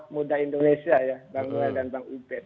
muda indonesia ya bang noel dan bang ubed